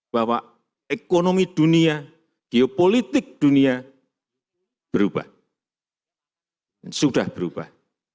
bahwa ekonomi dunia geopolitik dunia berubah sudah berubah